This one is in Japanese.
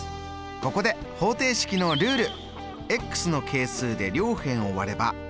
ここで方程式のルール！